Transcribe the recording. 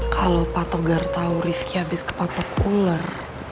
kalau pak togar tau rifki habis kepatok ular